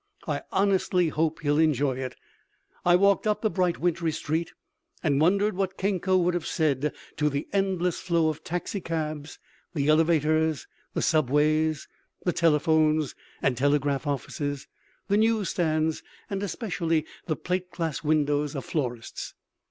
I honestly hope he'll enjoy it. I walked up the bright wintry street, and wondered what Kenko would have said to the endless flow of taxicabs, the elevators and subways, the telephones, and telegraph offices, the newsstands and especially the plate glass windows of florists.